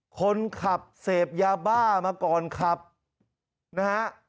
คนขับเสพยาบ้ามาก่อนขับนะฮะ